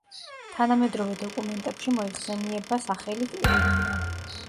თანამედროვე დოკუმენტებში მოიხსენიება სახელით ელმინა.